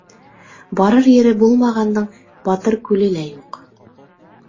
Барыр ере булмағандың, батыр күле лә юҡ.